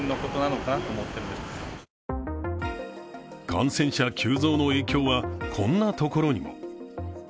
感染者急増の影響は、こんなところにも。